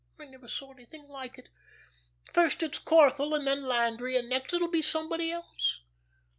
I never saw anything like it. First it's Corthell and then Landry, and next it will be somebody else.